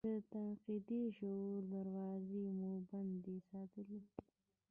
د تنقیدي شعور دراوزې مو بندې ساتلي دي.